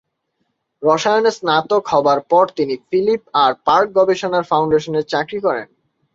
রসায়নে স্নাতক হবার পর তিনি ফিলিপ আর পার্ক গবেষণা ফাউন্ডেশনে চাকরি করেন।